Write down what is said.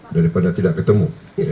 daripada tidak ketemu